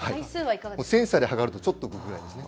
センサーで測るとちょっと浮くくらいですね。